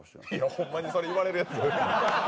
ホンマにそれ言われるやつ。